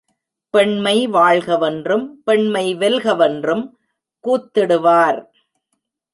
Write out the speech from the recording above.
பெண்மை வாழ்கவென்றும் பெண்மை வெல்கவென்றும் கூத்திடுவார்.